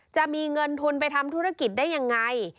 จะมีเงินทุนไปทำธุรกิจได้ยังไง